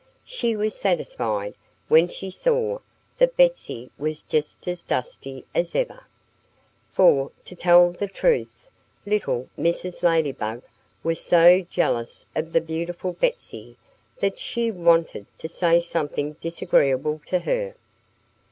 She was satisfied when she saw that Betsy was just as dusty as ever. For, to tell the truth, little Mrs. Ladybug was so jealous of the beautiful Betsy that she wanted to say something disagreeable to her.